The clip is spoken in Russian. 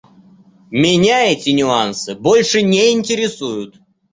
Меня эти нюансы больше не интересуют.